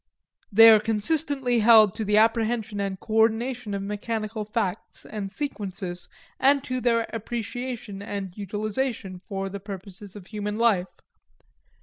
They are consistently held to the apprehension and coordination of mechanical facts and sequences, and to their appreciation and utilization for the purposes of human life.